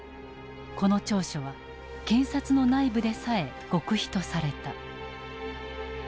この調書は検察の内部でさえ極秘とされた。